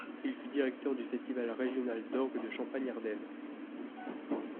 Il fut directeur du festival régional d’orgue de Champagne-Ardennes.